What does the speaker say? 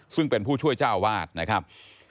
ซึ่งเป็นผู้ช่วยเจ้าวาดนะครับ